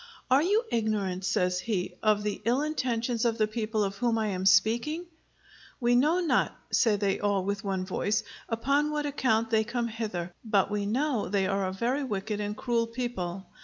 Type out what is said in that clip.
Are you ignorant," says he, "of the ill intentions of the people of whom I am speaking?" "We know not," say they all with one voice, "upon what account they come hither, but we know they are a very wicked and cruel people."